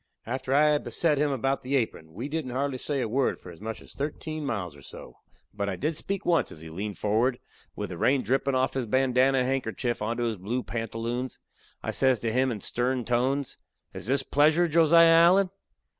After I had beset him about the apron, we didn't say hardly a word for as much as thirteen miles or so; but I did speak once, as he leaned forward, with the rain drippin' offen his bandanna handkerchief onto his blue pantaloons. I says to him in stern tones: "Is this pleasure, Josiah Allen?"